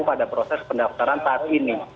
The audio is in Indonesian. pada proses pendaftaran saat ini